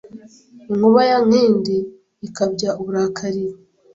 Inkuba ya Nkindi ikabya uburakari